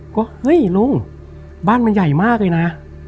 ก็เฮ้ยลุงบ้านมันใหญ่มากเลยนะ